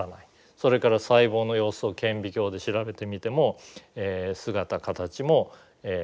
それから細胞の様子を顕微鏡で調べてみても姿形も正常です。